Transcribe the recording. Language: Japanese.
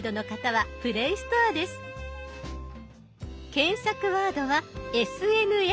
検索ワードは「ＳＮＳ」。